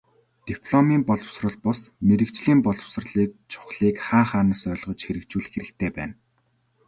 Дипломын боловсрол бус, мэргэжлийн боловсролыг чухлыг хаа хаанаа ойлгож хэрэгжүүлэх хэрэгтэй байна.